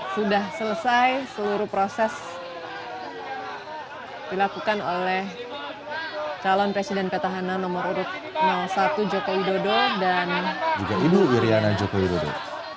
sudah selesai seluruh proses dilakukan oleh calon presiden petahana nomor urut satu jokowi dodo dan juga ibu iryana joko widodo